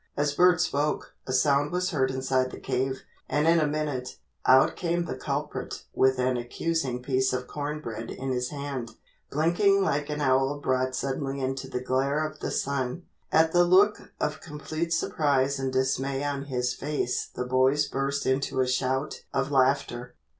As Bert spoke, a sound was heard inside the cave, and, in a minute, out came the culprit with an accusing piece of cornbread in his hand, blinking like an owl brought suddenly into the glare of the sun. At the look of complete surprise and dismay on his face the boys burst into a shout of laughter.